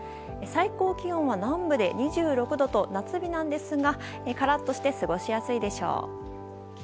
最高気温は南部で２６度と夏日ですがカラッとして過ごしやすいでしょう。